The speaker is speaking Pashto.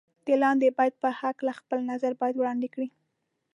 د لاندې بیت په هکله خپل نظر باید وړاندې کړئ.